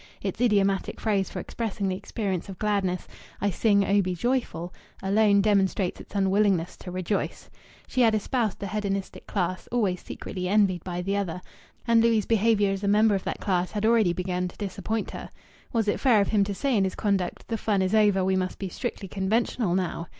(Its idiomatic phrase for expressing the experience of gladness, "I sang 'O be joyful,'" alone demonstrates its unwillingness to rejoice.) She had espoused the hedonistic class (always secretly envied by the other), and Louis' behaviour as a member of that class had already begun to disappoint her. Was it fair of him to say in his conduct: "The fun is over. We must be strictly conventional now"?